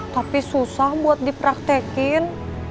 tapi susah buat dipraktekin